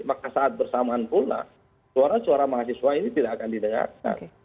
maka saat bersamaan pula suara suara mahasiswa ini tidak akan didengarkan